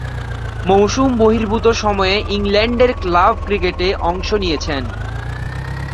মৌসুম বহির্ভূত সময়ে ইংল্যান্ডের ক্লাব ক্রিকেটে অংশ নিয়েছেন।